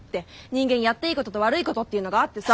人間やっていいことと悪いことっていうのがあってさ。